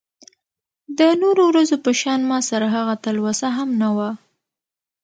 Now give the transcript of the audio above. د نورو ورځو په شان ماسره هغه تلوسه هم نه وه .